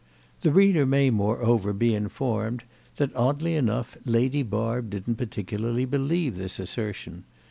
The reader may, moreover, be informed that, oddly enough, Lady Barb didn't particularly believe this assertion.